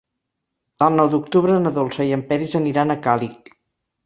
El nou d'octubre na Dolça i en Peris aniran a Càlig.